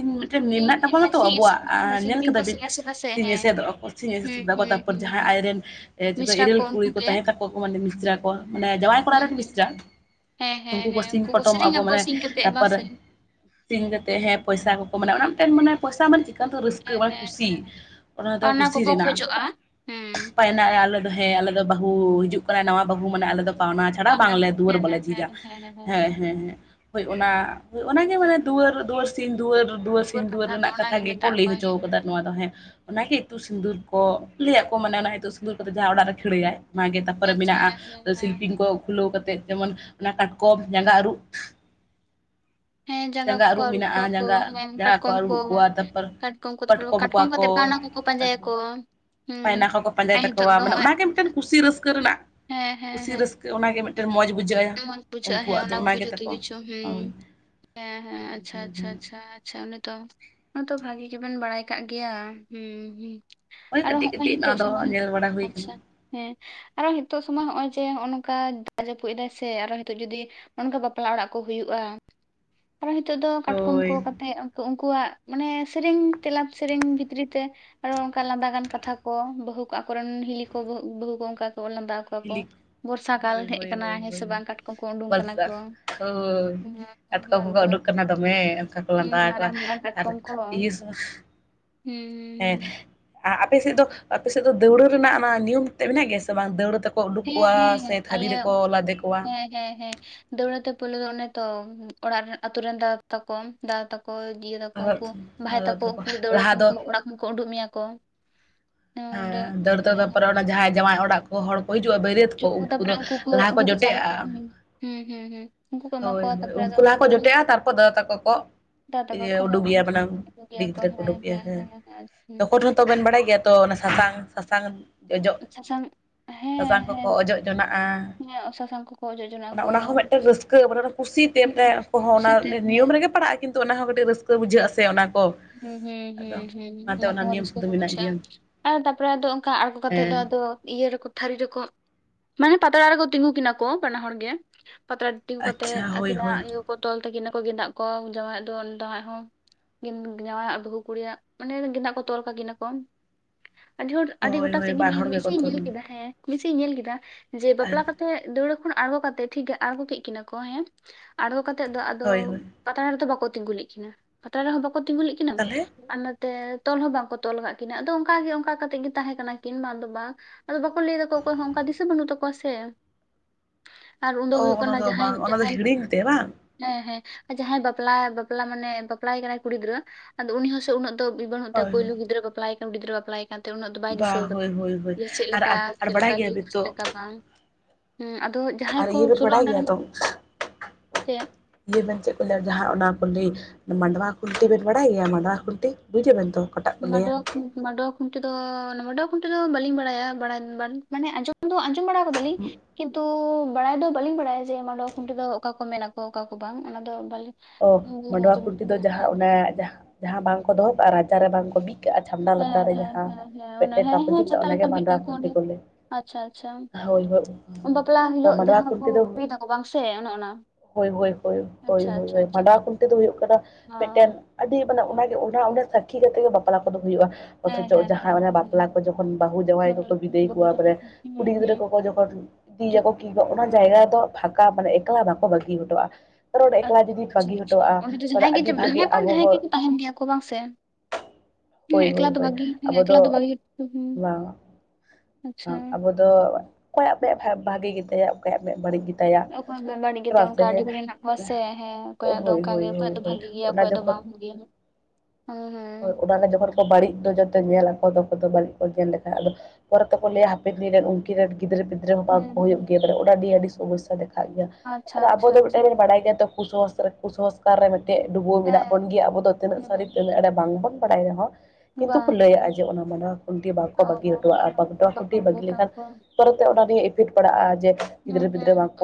ᱢᱮᱱᱟᱜ ᱛᱟᱵᱚᱱᱟ ᱛᱚ ᱟᱵᱚᱣᱟᱜ ᱧᱮᱞ ᱥᱤᱢᱯᱤᱧ ᱠᱟᱫᱟ ᱠᱚ ᱥᱮ ᱵᱤᱱ ᱟᱥᱮ ᱯᱟᱥᱮ ᱥᱤᱧ ᱦᱮᱸ ᱮᱥᱮᱫᱚᱜ-ᱟ ᱥᱤᱧ ᱦᱩᱸ ᱮᱥᱮᱫᱟᱠᱚ ᱦᱩᱸ ᱛᱟᱨᱯᱚᱨ ᱦᱩᱸ ᱡᱟᱦᱟ ᱦᱩᱸ ᱟᱡᱨᱮᱱ ᱪᱮᱫ ᱢᱤᱥᱨᱟ ᱤᱨᱟᱹᱞ ᱠᱚ ᱩᱱᱠᱩ ᱠᱩᱲᱤ ᱜᱮ ᱛᱟᱦᱮᱸ ᱛᱟᱠᱚ ᱢᱟᱱᱮ ᱢᱤᱥᱛᱨᱟ ᱠᱚ ᱢᱟᱱᱮ ᱡᱟᱶᱟᱭ ᱠᱚᱲᱟ ᱦᱩᱸ ᱨᱮᱱ ᱦᱩᱸ ᱢᱤᱥᱨᱟ ᱦᱮᱸ ᱦᱮᱸ ᱩᱱᱠᱩ ᱠᱚ ᱦᱮᱸ ᱥᱤᱧ ᱯᱚᱴᱚᱢᱚᱜ ᱥᱮᱨᱮᱧ ᱟᱠᱚ ᱢᱟᱱᱮ ᱥᱤᱧ ᱠᱟᱛᱮᱜ ᱵᱟᱝ ᱛᱟᱯᱚᱨ ᱥᱮ ᱥᱤᱧ ᱠᱟᱛᱮᱫ ᱦᱮᱸ ᱯᱚᱭᱥᱟ ᱠᱚᱠᱚ ᱢᱮᱱᱟ ᱚᱱᱟ ᱢᱤᱫᱴᱮᱱ ᱢᱟᱱᱮ ᱯᱚᱭᱥᱟ ᱢᱟᱱᱮ ᱪᱤᱠᱟᱹᱛᱮ ᱨᱟᱹᱥᱠᱟᱹ ᱦᱮᱸ ᱵᱟ ᱦᱮᱸ ᱠᱩᱥᱤ ᱚᱱᱟ ᱫᱚ ᱯᱟᱣᱱᱟ ᱠᱩᱥᱤ ᱠᱚᱠᱚ ᱨᱮᱱᱟᱜ ᱠᱷᱚᱡᱚᱜᱼᱟ ᱦᱮᱸ ᱯᱟᱭᱱᱟ ᱟᱞᱮ ᱫᱚ ᱦᱮᱸ ᱟᱞᱮ ᱫᱚ ᱵᱟᱹᱦᱩ ᱦᱤᱡᱩᱜ ᱠᱟᱱᱟᱭ ᱱᱟᱣᱟ ᱵᱟᱹᱦᱩ ᱢᱟᱱᱮ ᱟᱞᱮ ᱫᱚ ᱯᱟᱣᱱᱟ ᱪᱷᱟᱰᱟ ᱵᱟᱝᱞᱮ ᱫᱩᱣᱟᱹᱨ ᱵᱟᱞᱮ ᱡᱷᱤᱡᱟ ᱦᱮᱸ ᱦᱮᱸ ᱦᱮᱸ ᱦᱚᱭ ᱚᱱᱟ-ᱦᱚᱭ ᱚᱱᱟ ᱜᱮ ᱵᱚᱞᱮ ᱫᱩᱣᱟᱹᱨ ᱫᱚᱥ ᱥᱤᱢ ᱫᱩᱣᱟᱹᱨ ᱫᱩᱣᱟᱹᱨ ᱥᱤᱢ ᱫᱩᱣᱟᱹᱨ ᱫᱚ ᱨᱮᱱᱟᱜ ᱠᱟᱛᱷᱟ ᱚᱱᱟᱜᱮ ᱜᱮᱠᱚ ᱢᱮᱛᱟᱜ ᱞᱟᱹᱭ ᱠᱚᱣᱟ ᱦᱚᱪᱚᱣ ᱦᱮᱸ ᱠᱟᱫᱟ ᱱᱚᱣᱟ ᱫᱚ ᱦᱮᱸ ᱚᱱᱟᱜᱮ ᱤᱛᱩ ᱥᱤᱸᱫᱩᱨ ᱠᱚ ᱞᱟᱹᱭᱟ ᱠᱚ ᱢᱟᱱᱮ ᱚᱱᱟ ᱤᱛᱩᱫ ᱥᱤᱸᱫᱩᱨ ᱠᱚᱫᱚ ᱡᱟᱦᱟᱸ ᱚᱲᱟᱜ ᱨᱮ ᱠᱷᱟᱹᱲᱟᱹᱭᱟᱭ ᱚᱱᱟᱜᱮ ᱛᱟᱯ ᱠᱚᱨᱮ ᱟᱪᱪᱷᱟ ᱢᱮᱱᱟᱜᱼᱟ ᱦᱮᱸ ᱦᱮᱸ ᱦᱮᱸ ᱥᱤᱞᱯᱤᱧ ᱠᱚ ᱠᱷᱩᱞᱟᱹᱣ ᱠᱟᱛᱮᱫ ᱡᱮᱢᱚᱱ ᱚᱱᱟ ᱠᱟᱴᱠᱚᱢ ᱡᱟᱸᱜᱟ ᱟᱹᱨᱩᱵ ᱦᱮᱸ ᱡᱟᱸᱜᱟ ᱠᱚ ᱟᱹᱨᱩᱵ ᱢᱮᱱᱟᱜᱼᱟ ᱠᱩᱣᱟᱠᱚ ᱡᱟᱸᱜᱟ ᱦᱮᱸ ᱡᱟᱸᱜᱟ ᱠᱟᱴᱠᱚᱢ ᱟᱹᱨᱩᱵ ᱠᱚ ᱠᱚᱣᱟ ᱛᱟᱨᱯᱚᱨ ᱠᱟᱴᱠᱚᱢ ᱠᱩᱫᱚ ᱠᱚᱣᱟ ᱠᱟᱴᱠᱚᱢ ᱠᱟᱛᱮ ᱠᱚ ᱵᱟ ᱱᱟ ᱠᱩ ᱯᱟᱸᱡᱟᱭᱟ ᱠᱟᱴᱠᱚᱢ ᱠᱚ ᱯᱟᱭᱱᱟ ᱦᱚᱸᱠᱚ ᱯᱟᱸᱡᱟᱭ ᱛᱟᱠᱚᱣᱟ ᱢᱟᱱᱮ ᱚᱱᱟ ᱜᱮ ᱢᱤᱫᱴᱮᱱ ᱠᱩᱥᱤ ᱨᱟᱹᱥᱠᱟᱹ ᱨᱮᱱᱟᱜ ᱦᱮᱸ ᱦᱮᱸ ᱠᱩᱥᱤ ᱦᱮᱸ ᱨᱟᱹᱥᱠ ᱚᱱᱟᱜᱮ ᱢᱤᱫᱴᱮᱱ ᱢᱚᱸᱡᱽ ᱵᱩᱡᱷᱟᱹᱭᱟ ᱢᱚᱸᱡᱽ ᱵᱩᱡᱷᱟᱹᱜᱼᱟ ᱦᱮᱸ ᱩᱱᱠᱩᱣᱟᱜ ᱫᱚ ᱠᱚᱜᱮ ᱚᱱᱟ ᱡᱚᱛᱚ ᱜᱮᱛᱟᱠᱚ ᱠᱤᱪᱷᱩ ᱦᱩᱸ ᱦᱚᱭ ᱦᱮᱸ ᱦᱮᱸ ᱟᱪᱪᱷᱟ ᱟᱪᱪᱷᱟ ᱟᱪᱪᱷᱟ ᱟᱪ ᱟᱪᱪᱷᱟ ᱱᱤᱛᱟᱜ ᱚᱱᱮ ᱛᱚ ᱵᱷᱟᱜᱤ ᱜᱤᱵᱮᱱ ᱵᱟᱲᱟᱭ ᱠᱟᱜ ᱜᱮᱭᱟ ᱦᱩᱢᱸ-ᱦᱩᱸ ᱠᱟᱹᱴᱤᱡ ᱟᱨᱦᱚᱸᱜᱼᱚᱭ ᱠᱟᱹᱴᱤᱡ ᱱᱚᱣᱟ ᱱᱤᱛᱚᱜ ᱫᱚ ᱥᱚᱢᱚᱭ ᱧᱮᱞ ᱵᱟᱲᱟ ᱦᱩᱭ ᱟᱠᱟᱱᱟ ᱟᱪᱪᱷᱟ ᱦᱮᱸ ᱟᱨᱦᱚᱸ ᱦᱤᱛᱚᱜ ᱥᱚᱢᱚᱭ ᱦᱚᱜᱼᱚᱭ ᱡᱮ ᱱᱚᱜᱼ ᱱᱚᱝᱠᱟ ᱫᱟᱜ ᱡᱟᱹᱯᱩᱫ ᱜᱚᱡ ᱱᱟᱭ ᱥᱮ ᱟᱨᱚ ᱱᱤᱛᱚᱜ ᱡᱩᱫᱤ ᱱᱚᱱᱠᱟ ᱵᱟᱯᱞᱟ ᱚᱲᱟᱜ ᱠᱚ ᱦᱩᱭᱩᱜᱼᱟ ᱟᱨᱚ ᱱᱤᱛᱚᱜ ᱫᱚ ᱠᱟᱴᱠᱚᱢ ᱦᱳᱭ ᱠᱚ ᱠᱟᱛᱮᱜ ᱩᱱᱠᱩ ᱩᱱᱠᱩᱣᱟᱜ ᱢᱟᱱᱮ ᱥᱮᱨᱮᱧ ᱛᱮᱞᱟᱵᱽ ᱥᱮᱨᱮᱧ ᱵᱷᱤᱛᱨᱤ ᱛᱮ ᱟᱨᱚ ᱚᱱᱠᱟ ᱞᱟᱸᱫᱟᱜᱟᱱ ᱠᱟᱛᱷᱟ ᱠᱚ ᱵᱟᱹᱦᱩ ᱟᱠᱚᱨᱮᱱ ᱦᱤᱞᱤ ᱠᱚ ᱵᱩ ᱵᱟᱹᱦᱩ ᱠᱚ ᱚᱱᱠᱟ ᱠᱚ ᱞᱟᱸᱫᱟᱼᱼ ᱠᱟᱠᱚ ᱦᱤᱞᱤ ᱵᱚᱨᱥᱟ ᱠᱟᱞ ᱦᱳᱭ ᱦᱮᱡ ᱦᱳᱭ ᱠᱟᱱᱟ ᱦᱳᱭ ᱦᱮᱸ ᱥᱮ ᱦᱳᱭ ᱵᱟᱝ ᱠᱟᱴᱠᱚᱢ ᱠᱚ ᱩᱰᱩᱝ ᱠᱟᱱᱟ ᱠᱚ--ᱦᱩᱸ ᱠᱟᱴᱠᱚ ᱠᱚᱠᱚ ᱩᱰᱩᱠ ᱠᱟᱱᱟ ᱫᱚᱢᱮ ᱚᱱᱠᱟ ᱠᱚ ᱞᱟᱸᱫᱟ ᱟᱠᱚᱣᱟ ᱢᱟᱨᱟᱝ ᱢᱟᱨᱟᱝ ᱟᱨ ᱠᱟᱴᱠᱚᱢ ᱠᱚ ᱤᱭᱟᱹ ᱦᱮᱸ ᱦᱩᱸ ᱟᱨ ᱟᱯᱮ ᱥᱮᱫ ᱫᱚ ᱟᱯᱮ ᱥᱮᱫ ᱫᱚ ᱫᱟᱹᱣᱲᱟᱹ ᱨᱮᱱᱟᱜ ᱚᱱᱟ ᱱᱤᱭᱚᱢ ᱛᱮ ᱢᱮᱱᱟᱜ ᱜᱮᱭᱟ ᱥᱮ ᱵᱟᱝ ᱫᱟᱹᱣᱲᱟᱹ ᱛᱮᱯᱮ ᱠᱚ ᱩᱰᱩᱠ ᱦᱮᱸ ᱠᱚᱣᱟ ᱥᱮ ᱦᱮᱸ ᱟᱞᱮ ᱛᱷᱟᱹᱨᱤ ᱨᱮᱠᱚ ᱞᱟᱫᱮ ᱠᱚᱣᱟ? ᱦᱮᱸ ᱦᱮᱸ ᱦᱮᱸ ᱫᱟᱹᱣᱲᱟᱹ ᱛᱮ ᱯᱩᱭᱞᱩ ᱫᱚ ᱚᱱᱮ ᱛᱚ ᱚᱲᱟᱜ ᱟᱛᱩ ᱨᱮᱱ ᱫᱟᱫᱟ ᱛᱟᱠᱚ ᱫᱟᱫᱟ ᱛᱟᱠ ᱦᱚᱭ ᱡᱤᱭᱟᱹ ᱛᱟᱠᱚ ᱩᱱᱠᱩ ᱵᱷᱟᱦᱟᱭ ᱛᱟᱠᱚ ᱩᱱᱠᱩ ᱫᱟᱹᱣᱲᱟᱹ ᱞᱟᱦᱟ ᱠᱷᱚᱱ ᱫᱚ ᱠᱚ ᱚᱲᱟᱜ ᱠᱷᱚᱱ ᱠᱚ ᱩᱰᱩᱠ ᱢᱮᱭᱟ ᱠᱚ ᱚᱸᱰᱮ ᱦᱮᱸ ᱫᱟᱹᱲ ᱫᱟᱹᱲ ᱛᱟᱨ ᱦᱮᱸ ᱯᱚᱨᱮ ᱚᱱᱟ ᱡᱟᱦᱟᱸᱭ ᱡᱟᱶᱟᱭ ᱚᱲᱟᱜ ᱠᱚ ᱦᱚᱲ ᱠᱚ ᱚᱭ ᱦᱤᱡᱩᱜᱼᱟ ᱵᱟᱹᱨᱤᱭᱟᱹᱛ ᱠᱚ ᱚᱪᱚᱜ ᱩᱱᱠᱩ ᱛᱟᱯᱚᱨᱮ ᱫᱚ ᱞᱟᱦᱟ ᱠᱚ ᱩᱱᱠᱩ ᱪᱟᱞ ᱡᱚᱴᱮᱜᱼᱟ ᱟᱠᱚ ᱦᱮᱸ ᱦᱩᱸ ᱦᱩᱸ ᱦᱩᱸ ᱩᱱᱠᱩ ᱠᱚ ᱮᱢᱟ ᱦᱚᱭ ᱠᱚᱣᱟ ᱦᱚᱭ ᱛᱟᱯᱚᱨᱮ ᱟᱫᱚ ᱩᱱᱠᱩ ᱚᱱᱠᱟ ᱞᱟᱦᱟ ᱠᱚ ᱫᱟᱹᱣᱲᱟᱹ ᱡᱚᱴᱮᱜᱼᱟ ᱛᱟᱨᱯᱚᱨᱮ ᱫᱟᱫᱟ ᱛᱟᱠᱚ ᱠᱚ ᱦᱟᱛᱟᱣ ᱛᱟᱠᱚ ᱤᱭᱟᱹ ᱟᱠᱚ ᱦᱮᱸ ᱩᱰᱩᱠᱮᱭᱟ ᱢᱟᱱᱟᱝ ᱠᱩᱲᱤ ᱜᱤᱫᱽᱨᱟᱹ ᱠᱚ ᱩᱰᱩᱠᱮᱭᱟ ᱦᱮᱸ ᱛᱚᱠᱷᱚᱱ ᱦᱚᱸ ᱛᱚ ᱚᱵᱮᱱ ᱵᱟᱰᱟᱭ ᱜᱮᱭᱟ ᱛᱚ ᱚᱱᱟ ᱥᱟ ᱥᱟᱝ ᱥᱟ ᱥᱟᱝ ᱚᱡᱚᱜ- ᱥᱟᱥᱟᱝ ᱥᱟᱥᱟᱝ ᱦᱮᱸ ᱠᱚᱠᱚ ᱦᱮᱸ ᱚᱡᱚᱜ ᱡᱚᱱᱟᱜᱼᱟ ᱦᱮᱸ ᱥᱟᱥᱟᱝ ᱠᱚᱠᱚ ᱚᱡᱚᱜ ᱡᱚᱱᱟᱜ ᱚᱱᱟ ᱟᱠᱚ ᱚᱱᱟ ᱦᱚᱸ ᱦᱩᱸ ᱢᱤᱫᱴᱮᱱ ᱨᱟᱹᱥᱠᱟᱹ ᱢᱟᱱᱮ ᱠᱩᱥᱤᱛᱮ ᱩᱱ ᱦᱚᱸ ᱚᱱᱟ ᱠᱩᱥᱤᱛᱮ ᱦᱮᱸ ᱱᱤᱭᱚᱢ ᱨᱮᱜᱮ ᱯᱟᱲᱟᱜᱼᱟᱭ ᱠᱤᱱᱛᱩ ᱚᱱᱟ ᱦᱚᱸ ᱠᱟᱹᱴᱤᱡ ᱨᱟᱹᱥᱠᱟᱹ ᱵᱩᱡᱷᱟᱹᱜᱼᱟ ᱥᱮ ᱚᱱᱟ ᱠᱚ ᱦᱩᱸ ᱦᱩᱸ ᱟᱫᱚ ᱦᱩᱸ ᱦᱩᱸ ᱚᱱᱟᱛᱮ ᱚᱱᱟ ᱚᱱᱟᱠᱚᱷᱚ ᱱᱤᱭᱚᱢ ᱨᱟᱹᱥᱠᱟᱹ ᱠᱚᱫᱚ ᱢᱮᱱᱟᱜ ᱵᱩᱡᱷᱟ ᱜᱮᱭᱟ ᱟᱨ ᱛᱟᱯᱚᱨᱟ ᱫᱚ ᱚᱱᱠᱟ ᱟᱬᱜᱚ ᱠᱟᱛᱮᱜ ᱫᱚ ᱦᱮᱸ ᱟᱫᱚ ᱤᱭᱟᱹ ᱨᱮ ᱠᱩ ᱛᱷᱟᱹᱨᱤ ᱨᱮᱠᱚ -ᱢᱟᱱᱮ ᱯᱟᱛᱲᱟ ᱨᱮᱠᱚ ᱛᱤᱸᱜᱩ ᱠᱤᱱᱟᱹ ᱠᱚ ᱵᱟᱱᱟ ᱦᱚᱲ ᱜᱮ ᱯᱟᱛᱲᱟ ᱛᱤᱜᱩ ᱟᱪᱪᱷᱟ ᱠᱟᱛᱮᱫ ᱦᱳᱭ ᱟᱹᱠᱤᱱᱟᱜ ᱦᱳᱭ ᱤᱭᱟᱹ ᱠᱚ ᱛᱚᱞ ᱛᱟᱹᱠᱤᱱᱟ ᱠᱚ ᱜᱮᱸᱫᱟᱜ ᱠᱚ ᱡᱟᱶᱟᱭᱟ ᱫᱚ ᱫᱟᱶᱟᱭᱟᱜ ᱦᱚᱸ ᱩᱱᱠᱤᱱ ᱡᱟᱶᱟᱭᱟᱜ ᱵᱟᱹᱦᱩ ᱠᱩᱲᱤᱭᱟᱜ ᱢᱟᱱᱮ ᱜᱮᱫᱟᱜ ᱠᱚ ᱛᱚᱞ ᱠᱟᱠᱤᱱᱟ ᱠᱚ ᱟᱹᱰᱤ ᱦᱚᱲ ᱟᱹᱰᱤ ᱦᱳᱭ ᱜᱚᱴᱟ ᱦᱳᱭ ᱥᱮᱫ ᱜᱤ ᱵᱟᱨ ᱦᱚᱲ ᱢᱤᱫ ᱜᱮᱠᱚ ᱥᱮᱫ ᱤᱧ ᱛᱩᱞ ᱧᱮᱞ ᱠᱮᱫᱟ ᱦᱮᱸ ᱢᱤᱫᱥᱮᱜ ᱤᱧ ᱧᱮᱞ ᱠᱮᱫᱟ ᱡᱮ ᱟᱨ ᱵᱟᱯᱞᱟ ᱠᱟᱛᱮᱜ ᱫᱟᱹᱣᱲᱟᱹ ᱠᱷᱚᱱ ᱟᱬᱜᱚ ᱠᱟᱛᱮ ᱴᱷᱤᱠ ᱜᱮᱭᱟ ᱟᱬᱜᱚ ᱠᱮᱫ ᱠᱤᱱᱟᱹ ᱠᱚ ᱦᱮᱸ ᱟᱬᱜᱚ ᱠᱟᱛᱮᱫ ᱫᱚ ᱟᱫᱚ ᱦᱳᱭ ᱦᱳᱭ ᱯᱟᱛᱲᱟ ᱨᱮᱫᱚ ᱵᱟᱠᱚ ᱛᱤᱸᱜᱩ ᱞᱮᱫ ᱠᱤᱱᱟ ᱯᱟᱛᱲᱟ ᱨᱮᱦᱚᱸ ᱵᱟᱠᱚ ᱛᱤᱸᱜᱩ ᱞᱮᱫ ᱠᱤᱱᱟ ᱛᱟᱦᱚᱞᱮ ᱟᱨ ᱱᱚ ᱛᱮ ᱛᱚᱞ ᱦᱚᱸ ᱵᱟᱝᱠᱚ ᱛᱚᱞ ᱠᱟᱜ ᱠᱤᱱᱟ ᱟᱫᱚ ᱚᱱᱠᱟ ᱜᱮ ᱚᱱᱠᱟ ᱠᱟᱛᱮᱜ ᱜᱮ ᱛᱟᱦᱮᱸ ᱠᱟᱱᱟ ᱠᱤᱱ ᱵᱟᱝ ᱫᱚ ᱵᱟᱝ ᱟᱫᱚ ᱵᱟᱠᱚ ᱞᱟᱹᱭ ᱫᱟ ᱠᱚ ᱚᱠᱚᱭ ᱦᱚᱸ ᱚᱱᱠᱟ ᱫᱤᱥᱟᱹ ᱵᱟᱹᱱᱩᱜ ᱛᱟᱠᱩᱣᱟ ᱥᱮ ᱟᱨ ᱩᱱ ᱫᱚ ᱦᱩᱭᱩᱜ ᱚ ᱚᱱᱟ ᱠᱟᱱᱟ ᱡᱟᱦᱟᱸᱭ ᱵᱟᱝ ᱚᱱᱟ ᱫᱚ ᱡᱟᱦᱟᱸ ᱦᱤᱲᱤᱧ ᱛᱮ ᱵᱟᱝ ᱟᱸᱭ ᱦᱮᱸ ᱦᱮᱸ ᱡᱟᱦᱟᱸᱭ ᱵᱟᱯᱞᱟ ᱵᱟᱯᱞᱟ ᱢᱟᱱᱮ ᱵᱟᱯᱞᱟᱭᱮ ᱠᱟᱱᱟᱭ ᱠᱩᱲᱤ ᱜᱤᱫᱽᱨᱟᱹ ᱟᱫᱚ ᱩᱱᱤ ᱦᱚᱸ ᱥᱮ ᱩᱱᱟᱹᱜ ᱛᱵᱤ ᱵᱟᱹᱱᱩᱜ ᱛᱟᱭ ᱦᱳᱭ ᱦᱳᱭ ᱯᱩᱭᱞᱩ ᱜᱤᱫᱽᱨᱟᱹ ᱵᱟᱯᱞᱟᱭ ᱠᱮᱱ ᱜᱤᱫᱽᱨᱟᱹ ᱵᱟᱯᱞᱟᱭ ᱚᱱᱛᱮ ᱩᱱᱟᱹᱜ ᱫᱚ ᱵᱟᱭ ᱫᱤᱥᱟᱹ ᱵᱟ ᱦᱳᱭ ᱦᱳᱭ ᱦᱳᱭ ᱞᱮᱫ ᱪᱮᱫ ᱞᱮᱠᱟ ᱟᱨ ᱟᱨ ᱪᱮᱫ ᱞᱮᱠᱟ ᱵᱟᱲᱟᱭ ᱦᱩᱭᱩᱜ ᱜᱮᱭᱟᱵᱤᱱ ᱛᱚ ᱪᱮᱫ ᱞᱮᱠᱟ ᱵᱟᱝ ᱦᱮᱸ ᱟᱫᱚ ᱡᱟᱦᱟᱸᱭ ᱟᱨ ᱠᱚ ᱤᱭᱟᱹ ᱫᱚ ᱥᱳᱞᱳ ᱵᱟᱰᱟᱭ ᱟᱱᱟ ᱜᱮᱭᱟ ᱛᱚ ᱥᱮ ᱞᱤᱭᱟᱹ ᱵᱤᱱ ᱪᱮᱫ ᱠᱚ ᱞᱟᱹᱭᱟ ᱡᱟᱦᱟᱸ ᱚᱱᱟ ᱠᱚ ᱞᱟᱹᱭ ᱢᱟᱰᱣᱟ ᱠᱷᱩᱱᱴᱤ ᱵᱤᱱ ᱵᱟᱰᱟᱭ ᱜᱮᱭᱟ ᱢᱟᱰᱣᱟ ᱠᱷᱩᱱᱴᱤ ᱵᱩᱡ ᱵᱮᱱ ᱫᱚ ᱠᱚᱴᱟᱜ ᱢᱟᱱᱰᱣᱟᱠᱱ ᱢᱟᱰᱣᱟ ᱠᱷᱩᱱᱴᱤ ᱫᱚ ᱢᱟᱰᱣᱟ ᱠᱷᱩᱱᱴᱤ ᱫᱚ ᱵᱟᱹᱞᱤᱧ ᱵᱟᱰᱟᱭᱟ ᱵᱟᱰᱟᱭ ᱢᱟᱱᱮ ᱟᱸᱡᱚᱢ ᱩᱱ ᱟᱡᱸᱚᱢ ᱵᱟᱲᱟ ᱠᱟᱫᱟ ᱞᱤᱧ ᱠᱤᱱᱛᱩ ᱵᱟᱲᱟᱭ ᱫᱚ ᱵᱟᱟᱹᱞᱤᱧ ᱵᱟᱲᱟᱭᱟ ᱡᱮ ᱢᱟᱰᱣᱟ ᱠᱷᱩᱱᱴᱤ ᱫᱚ ᱚᱠᱟ ᱠᱚ ᱢᱮᱱᱟ‌ ᱠᱚ ᱚᱠᱟ ᱠᱚ ᱵᱟᱝ ᱚᱱᱟ ᱫᱚ ᱵᱞᱤᱧ ᱚ ᱢᱟᱰᱣᱟ ᱠᱷᱩᱱᱴᱤ ᱫᱚ ᱡᱟᱦᱟᱸ ᱚᱱᱟ ᱡᱟᱦᱟᱸ ᱵᱟᱝᱠᱚ ᱫᱚᱦᱚ ᱠᱟᱜᱼᱟ ᱨᱟᱪᱟ ᱨᱮ ᱵᱟᱝ ᱠᱚ ᱵᱤᱫ ᱤᱠᱟᱹᱜᱼᱟ ᱪᱷᱟᱢᱰᱟ ᱞᱟᱛᱟᱨ ᱨᱮ ᱦᱮᱸ ᱡᱟᱦᱟᱸ ᱦᱮᱸ ᱦᱮᱸ ᱚᱱᱟ ᱢᱤᱫᱴᱮᱱ ᱦᱮᱸ ᱯᱟᱠᱚ ᱦᱮᱸ ᱡᱩᱛᱟ ᱪᱷᱟᱛᱟ ᱚᱱᱟᱜᱮ ᱞᱮᱠᱟ ᱵᱤᱫ ᱢᱟᱰᱣᱟ ᱠᱟᱠᱚ ᱠᱷᱩᱱᱴᱤ ᱚᱸᱰᱮ ᱠᱚ ᱞᱟᱹᱭᱟ᱾ ᱟᱪᱪᱷᱟ ᱟᱪᱪᱷᱟ ᱦᱳᱭ ᱦᱳᱭ ᱵᱟᱯᱞᱟ ᱦᱤᱞᱳᱜ ᱢᱟᱰᱣᱟ ᱡᱟᱦᱟᱸ ᱠᱷᱩᱱᱴᱤ ᱠᱷᱚᱱ ᱫᱚ ᱵᱤᱫ ᱟᱠᱚ ᱵᱟᱝ ᱥᱮ ᱚᱱᱮ ᱚᱱᱟ? ᱦᱳᱭ ᱦᱳᱭ ᱦᱳᱭ ᱦᱳᱭ ᱟᱪᱪᱷᱟ ᱦᱳᱭ ᱟᱪᱪᱷᱟ ᱟᱪᱪᱷᱟ ᱦᱳᱭ [inaudible] ᱠᱷᱩᱱᱴᱤ ᱫᱚ ᱦᱩᱭᱩᱜ ᱠᱟᱱᱟ ᱚ ᱢᱤᱫᱴᱮᱱ ᱟᱹᱰᱤ ᱢᱟᱱᱮ ᱚᱱᱟᱜᱮ ᱚᱱᱟ ᱚᱱᱟ ᱥᱟᱹᱠᱷᱤ ᱠᱟᱛᱮ ᱜᱮ ᱵᱟᱯᱞᱟ ᱠᱚᱫᱚ ᱦᱩᱭᱩᱜᱼᱟ᱾ ᱦᱮᱸ ᱚᱛᱷᱚᱪᱚ ᱦᱮᱸ ᱡᱟᱦᱟᱸᱭ ᱦᱮᱸ ᱚᱱᱟ ᱵᱟᱯᱞᱟ ᱦᱮᱸ ᱠᱚ ᱡᱚᱠᱷᱚᱱ ᱵᱟᱹᱦᱩ ᱡᱟᱶᱟᱭ ᱵᱟᱯᱞᱟ ᱠᱚᱠᱚ ᱵᱤᱫᱟᱹᱭ ᱵᱟᱯᱞᱟ ᱠᱚᱣᱟ ᱡᱚᱢ ᱵᱚᱞᱮ ᱠᱚ ᱦᱩᱸ ᱠᱩᱲᱤ ᱜᱤᱫᱽᱨᱟᱹ ᱦᱩᱸ ᱠᱚᱠᱚ ᱡᱚᱠᱷᱚᱱ ᱡᱚ- ᱤᱫᱤᱭᱟᱠᱚ ᱠᱤ ᱚᱱᱟ ᱡᱟᱭᱜᱟ ᱫᱚ ᱯᱷᱟᱸᱠᱟ ᱢᱟᱱᱮ ᱮᱠᱞᱟ ᱵᱟᱠᱚ ᱵᱟᱹᱜᱤ ᱦᱚᱴᱚᱼᱟ᱾ᱠᱟᱨᱚᱱ ᱮᱠᱞᱟ ᱡᱩᱫᱤ ᱟᱪᱪᱷᱟ ᱵᱟᱹᱜᱤ ᱟᱪᱪᱷᱟ ᱦᱚᱴᱚᱼᱟ ᱚᱸᱰᱮ ᱫᱚ ᱡᱟᱦᱟᱸᱭ ᱜᱮ ᱟᱹᱰᱤ ᱵᱷᱟᱹᱜᱤ ᱡᱟᱦᱟᱸᱭ ᱵᱟᱝ ᱟᱵᱚ ᱡᱟᱦᱟᱸᱭ ᱦᱚᱲ ᱜᱮᱠᱚ ᱛᱟᱦᱮᱱ ᱜᱮᱭᱟ ᱠᱚ ᱵᱟᱝ ᱥᱮ ᱦᱮᱸ ᱦᱚᱭ ᱮᱠᱞᱟ ᱫᱚ ᱦᱚᱭᱚ ᱵᱟᱹᱜᱤ ᱦᱮᱸ ᱟᱵᱚ ᱮᱠᱞᱟ ᱫᱚ ᱵᱟᱹᱜᱤ ᱦᱩᱸ ᱵᱟᱝ ᱟᱪᱪᱷᱟ ᱵᱟᱝ ᱟᱵᱚ ᱫᱚ ᱟᱫᱚ ᱚᱠᱚᱭᱟᱜ ᱢᱮ ᱵᱷᱟᱜᱤ ᱜᱮᱛᱟᱭᱟ ᱚᱠᱚᱭᱟᱜ ᱢᱮ ᱵᱟᱹᱲᱤᱡ ᱜᱮ ᱛᱟᱭᱟ ᱚᱠᱚᱭᱟᱜ ᱢᱮᱫ ᱵᱟᱹᱲᱤᱡ ᱜᱮᱛᱟᱭᱟ ᱚᱱᱠᱟ ᱟᱹᱰᱤ ᱦᱚᱲ ᱢᱮᱱᱟᱜ ᱠᱚ ᱜᱮᱭᱟ ᱥᱮ ᱦᱮᱸ ᱚᱠᱚᱭᱟᱜ ᱫᱚ ᱦᱳᱭ ᱚᱱᱠᱟᱜᱮ ᱦᱳᱭ ᱦᱳᱭ ᱚᱠᱚᱭᱟᱜ ᱫᱚ ᱦᱳᱭ ᱵᱷᱟᱹᱜᱤ ᱜᱮᱭᱟ ᱚᱱᱟ ᱚᱠᱚᱭᱟᱜ ᱫᱚ ᱵᱟᱝ ᱵᱷᱟᱹᱜᱤᱭᱟ ᱦᱚᱭ ᱚᱱᱟ ᱜᱮ ᱡᱚᱦᱟᱨ ᱵᱟᱹᱲᱤᱡ ᱫᱚ ᱡᱟᱛᱮ ᱧᱮᱞ ᱟᱠᱚ ᱫᱚᱠᱚᱫᱚ ᱵᱟᱹᱲᱤᱡ ᱠᱚ ᱧᱮᱞ ᱞᱮᱠᱷᱟᱱ ᱟᱫᱚ ᱯᱚᱨᱮ ᱛᱮᱠᱚ ᱞᱟᱹᱭᱟ ᱦᱟᱯᱮᱱ ᱫᱤᱱ ᱨᱤᱱ ᱩᱱᱠᱤᱱ ᱨᱤᱱ ᱜᱤᱫᱽᱨᱟᱹ ᱯᱤᱫᱽᱨᱟᱹ ᱦᱚᱸ ᱵᱟᱝ ᱦᱩᱸ ᱠᱚ ᱦᱩᱸ ᱦᱩᱭᱩᱜ ᱜᱮᱭᱟ ᱢᱟᱱᱮ ᱚᱱᱟ ᱱᱤᱭᱟᱹ ᱟᱹᱰᱤ ᱥᱚᱢᱚᱥ ᱥᱟ ᱫᱮᱠᱷᱟᱜ ᱜᱮᱭᱟ ᱟᱪᱪᱷᱟ ᱟᱫᱚ ᱟᱵᱚ ᱟᱪᱪᱷᱟ ᱫᱚ ᱢᱤᱫᱴᱮᱱ ᱟᱪᱪᱷᱟ ᱵᱚᱱ ᱵᱟᱰᱟᱭ ᱜᱮᱭᱟ ᱛᱚ ᱠᱩ ᱥᱚᱝᱥᱠᱟᱨ ᱠᱩ ᱥᱚᱝᱥᱠᱟᱨ ᱨᱮ ᱢᱮᱴᱮᱡ ᱰᱩᱵᱟᱹᱣ ᱢᱮᱱᱟᱜ ᱵᱚᱱ ᱦᱮᱸ ᱜᱮ ᱟᱵᱚ ᱛᱤᱱᱟᱹᱜ ᱥᱟᱹᱨᱤ ᱦᱩᱸ ᱛᱤᱱᱟᱹᱜ ᱮᱲᱮ ᱵᱟᱝᱵᱚᱱ ᱵᱟᱲᱟᱭ ᱨᱮᱦᱚᱸ ᱠᱤᱱᱛᱩ ᱠᱚ ᱵᱟᱝ ᱞᱟᱹᱭᱟᱜᱼᱟ ᱡᱮ ᱚᱱᱟ ᱢᱟᱰᱣᱟ ᱠᱷᱩᱱᱴᱤ ᱵᱟᱠᱚ ᱚ ᱵᱟᱹᱜᱤ ᱦᱚᱴᱚᱣᱟᱜ-ᱟ, ᱟᱨ [inaudible] ᱵᱟᱠᱚ ᱠᱷᱩᱱᱴᱤ ᱵᱟᱹᱜᱤ ᱵᱩᱴᱟᱹ ᱞᱮᱠᱷᱟᱱ ᱠᱚᱣᱟ ᱯᱟᱨᱮ ᱛᱮ ᱚᱱᱟ ᱱᱤᱭᱮ ᱤᱯᱷᱮᱴ ᱯᱟᱲᱟᱜᱼᱟ ᱡᱮ ᱜᱤᱫᱽᱨᱟᱹ ᱦᱩᱸ ᱯᱤᱫᱽᱨᱟᱹ ᱦᱩᱸ ᱵᱟᱝ ᱠᱚ